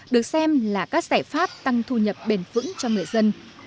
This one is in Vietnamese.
được xem là các giải pháp tăng thu nhập bền vững cho người dân